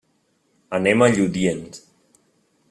Anem a Lludient.